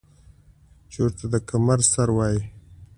چې ورته د کمر سر وايي ـ